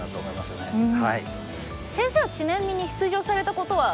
先生はちなみに出場されたことは？